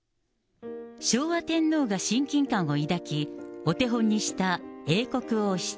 昭和天皇が親近感を抱き、お手本にした英国王室。